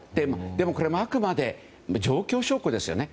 でも、これはあくまでも状況証拠ですよね。